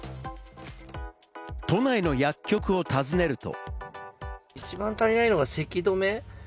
都内の薬局を訪ねると。